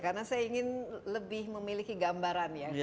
karena saya ingin lebih memiliki gambaran ya